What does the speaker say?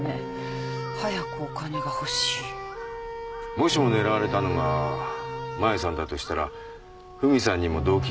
もしも狙われたのがマユさんだとしたらフミさんにも動機があるわけだ。